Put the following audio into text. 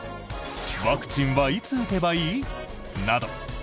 ワクチンはいつ打てばいい？など